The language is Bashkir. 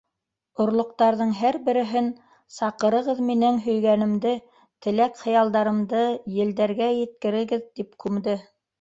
Орлоҡтарҙың һәр береһен: «Саҡырығыҙ минең һөйгәнемде, теләк-хыялдарымды елдәргә еткерегеҙ», - тип күмде.